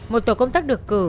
một tổ công tác được cử